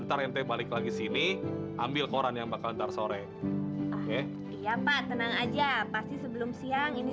terima kasih balik lagi sini ambil koran yang bakal ntar sore iya pak tenang aja pasti sebelum siang ini